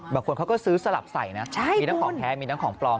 บางคนเขาก็ซื้อสลับใส่นะมีทั้งของแท้มีทั้งของปลอม